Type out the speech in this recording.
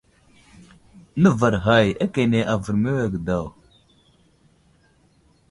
Nəvar ghay akane avər məwege daw.